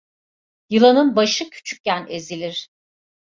Yılanın başı küçükken ezilir.